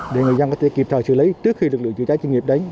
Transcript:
để người dân có thể kịp thời xử lý trước khi được lựa chữa cháy chuyên nghiệp đấy